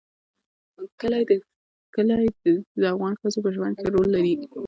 کلي د افغان ښځو په ژوند کې رول لري.